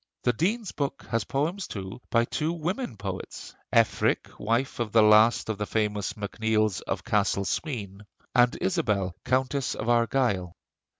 The Dean's book has poems, too, by two woman poets: Efric, wife of the last of the famous MacNeills of Castle Sween, and Isabel, Countess of Argyle.